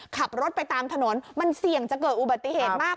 ขับรถไปตามถนนมันเสี่ยงจะเกิดอุบัติเหตุมาก